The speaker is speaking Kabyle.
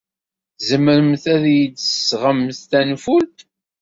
Tzemremt ad iyi-d-tesɣemt tanfult?